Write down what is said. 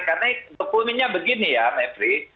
karena untuk umumnya begini ya mepri